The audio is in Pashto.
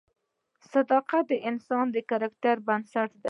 صداقت د انسان د کرکټر بنسټ دی.